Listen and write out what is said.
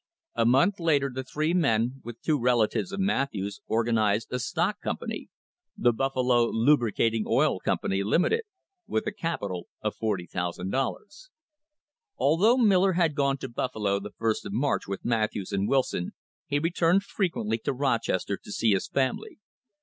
A month later the three men, with two relatives of Matthews, organised a stock company the Buffalo Lubricating Oil Company, Limited with a capital of $40,000. Although Miller had gone to Buffalo the first of March with Matthews and Wilson, he returned frequently to Roches ter to see his family.